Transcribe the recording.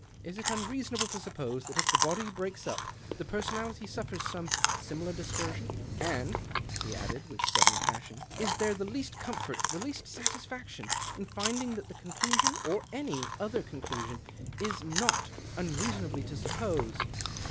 Is it unreasonable to suppose that if the body breaks up the personality suffers some similar dispersion ? And," he added, with sudden passion, " is there the least comfort, the least satisfaction, in finding that that conclusion, or any| other conclusion, is ' not unreasonable to suppose